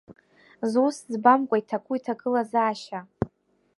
Зус ӡбамкәа иҭаку иҭагылазаашьа!